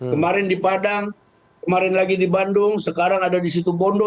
kemarin di padang kemarin lagi di bandung sekarang ada di situ bondo